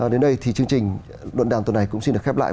đến đây thì chương trình luận đàm tuần này cũng xin được khép lại